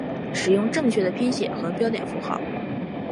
使用正确的拼写和标点符号